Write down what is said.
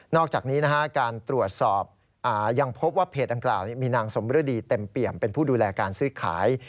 อกจากนี้การตรวจสอบยังพบว่าเพจดังกล่าวมีนางสมฤดีเต็มเปี่ยมเป็นผู้ดูแลการซื้อขาย